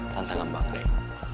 tantangan bang reyek